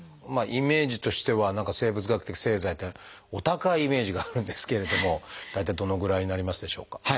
イメージとしては何か生物学的製剤っていうのはお高いイメージがあるんですけれども大体どのぐらいになりますでしょうか？